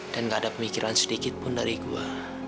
dan gak ada pemikiran sedikit pun dari gue